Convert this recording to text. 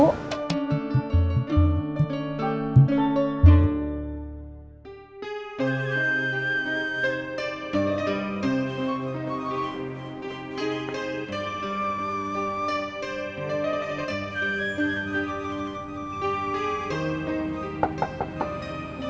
lagi baik baik saja